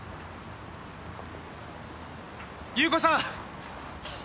優子さん！